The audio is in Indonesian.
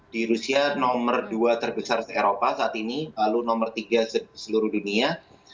di rusia nomor dua terbesar se eropa saat ini lalu nomor tiga seluruh dunia